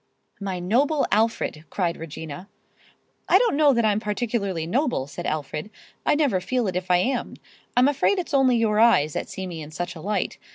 "My noble Alfred!" cried Regina. "I don't know that I'm particularly noble," said Alfred. "I never feel it if I am. I'm afraid it's only your eyes that see me in such a light.